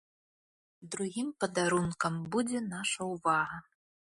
Другім падарункам будзе наша ўвага.